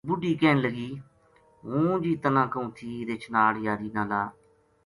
بڈھی کہن لگی " ہوں جی تنا کہوں تھی رچھ ناڑ یاری نہ لا"